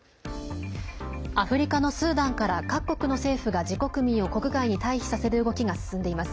アフリカのスーダンから各国の政府が自国民を国外に退避させる動きが進んでいます。